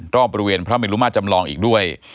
รอบบริเวณพระมิลุมาจำลองอีกด้วย